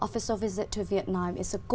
và chúng tôi cũng đang